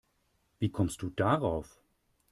Wie kommst du darauf?